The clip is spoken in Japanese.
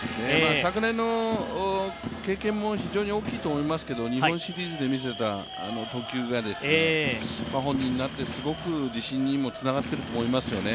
昨年の経験も非常大きいと思いますけれども、日本シリーズで見せた投球が本人にすごく自信にもつながっていると思いますよね。